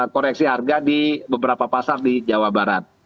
koreksi harga di beberapa pasar di jawa barat